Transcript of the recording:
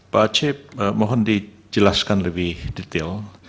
pak acep mohon dijelaskan lebih detail